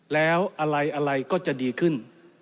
แล้วอะไรก็จะดีขึ้น